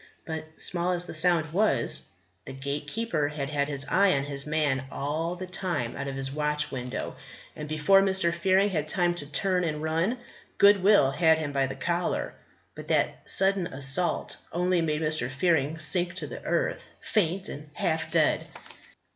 But small as the sound was, the Gatekeeper had had his eye on his man all the time out of his watch window; and before Mr. Fearing had time to turn and run, Goodwill had him by the collar. But that sudden assault only made Mr. Fearing sink to the earth, faint and half dead.